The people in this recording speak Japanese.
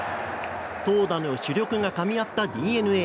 投打の主力がかみ合ったＤｅＮＡ。